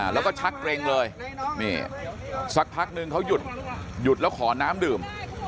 แล้วก็ชักเกร็งเลยนี่สักพักนึงเขาหยุดหยุดแล้วขอน้ำดื่ม